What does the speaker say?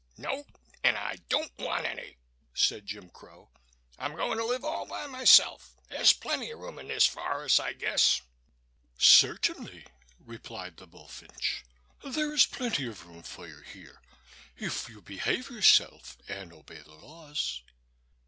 "No; and I don't want any," said Jim Crow. "I'm going to live all by myself. There's plenty of room in this forest, I guess." "Certainly," replied the bullfinch. "There is plenty of room for you here if you behave yourself and obey the laws."